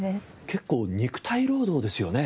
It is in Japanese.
結構肉体労働ですよね？